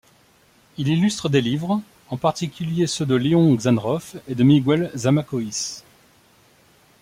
Il illustre des livres, en particulier ceux de Léon Xanrof et de Miguel Zamacoïs.